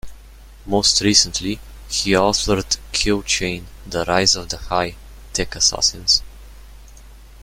Most recently, he authored Kill Chain - The Rise of the High-Tech Assassins.